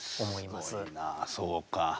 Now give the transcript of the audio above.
すごいなそうか。